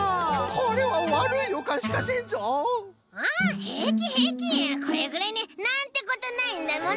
これぐらいねなんてことないんだもんね。